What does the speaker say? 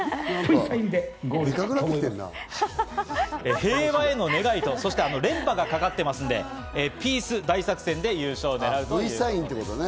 平和への願いと連覇がかかっていますので、「ピース大作戦」で優勝をねらうということです。